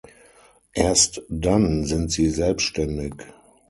Erst dann sind sie selbstständig.